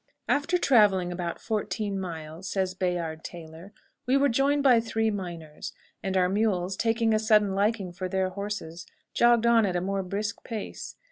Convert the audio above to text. "After traveling about fourteen miles," says Bayard Taylor, "we were joined by three miners, and our mules, taking a sudden liking for their horses, jogged on at a more brisk pace.